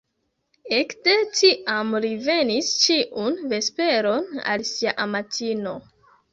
Ekde tiam li venis ĉiun vesperon al sia amatino.